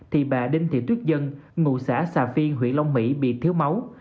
thì bà đinh thị tuyết dân ngụ xã xà phiên huyện long mỹ bị thiếu máu